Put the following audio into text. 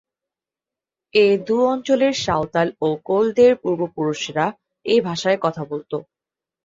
এ দু অঞ্চলের সাঁওতাল ও কোলদের পূর্বপুরুষরা এ ভাষায় কথা বলত।